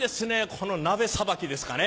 この鍋さばきですかね。